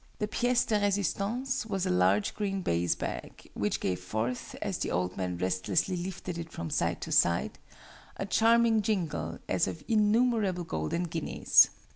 The pièce de resistance was a large green baize bag, which gave forth, as the old man restlessly lifted it from side to side, a charming jingle, as of innumerable golden guineas.